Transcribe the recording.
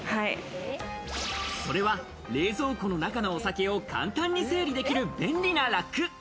それは冷蔵庫の中のお酒を簡単に整理できる便利なラック。